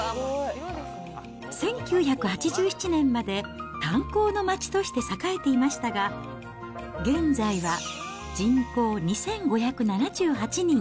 １９８７年まで炭鉱の町として栄えていましたが、現在は人口２５７８人。